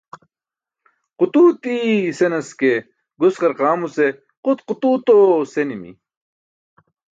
Qutuuti senas ke, gus qarqaamuce qut qutuuto senimi.